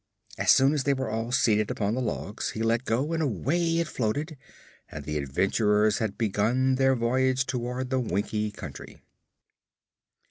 As soon as they were all seated upon the logs he let go and away it floated and the adventurers had begun their voyage toward the Winkie Country.